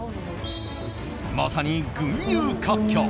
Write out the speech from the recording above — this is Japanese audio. まさに群雄割拠。